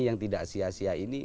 yang tidak sia sia ini